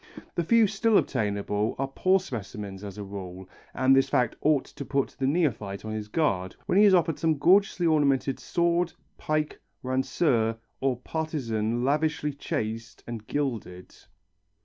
The few still obtainable are poor specimens as a rule, and this fact ought to put the neophyte on his guard when he is offered some gorgeously ornamented sword, pike, ranseur or partisan lavishly chased and gilded.